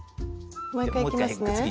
もう１回いきますね。